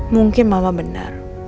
mungkin mama benar